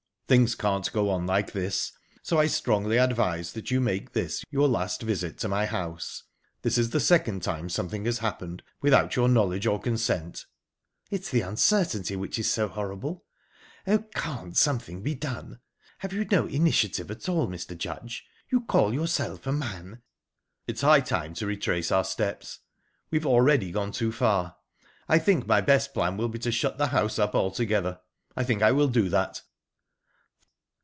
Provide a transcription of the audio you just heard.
Things can't go on like this; so I strongly advise that you make this your last visit to my house. This is the second time something has happened without your knowledge or consent." "It's the uncertainty which is so horrible...Oh, can't something be done? Have you no initiative at all, Mr. Judge? You call yourself a man." "It is high time to retrace our steps. We have already gone too far. I think my best plan will be to shut the house up altogether. I think I will do that."